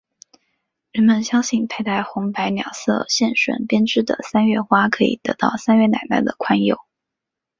人们相信佩戴红白两色线绳编织的三月花可以得到三月奶奶的宽宥。